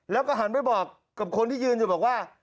แล้วก็หันไปบอกกับคนที่ยืนอยู่บอกว่า